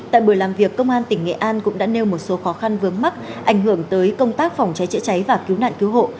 tại buổi làm việc công an tỉnh nghệ an cũng đã nêu một số khó khăn vướng mắt ảnh hưởng tới công tác phòng cháy chữa cháy và cứu nạn cứu hộ